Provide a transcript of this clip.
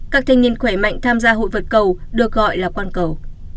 các thanh niên khỏe mạnh tham gia hội vật cầu được gọi là quang cầu